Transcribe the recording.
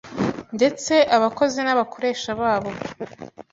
ndetse abakozi n’abakoresha babo,